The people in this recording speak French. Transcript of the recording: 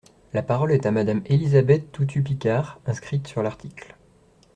La parole est à Madame Élisabeth Toutut-Picard, inscrite sur l’article.